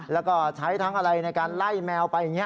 แล้วก็ใช้ทั้งอะไรในการไล่แมวไปอย่างนี้